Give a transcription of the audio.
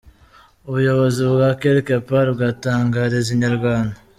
Ubuyobozi bwa Quelque Part bwatangarije inyarwanda.